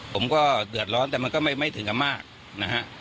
ผมก็เดือดร้อนแต่มันก็ไม่ถึงกับมากนะฮะ